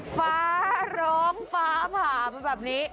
ฟ้าร้องฟ้าผ่ามาแบบนี้